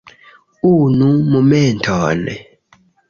Unu momenton